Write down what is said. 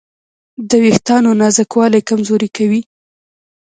د وېښتیانو نازکوالی یې کمزوري کوي.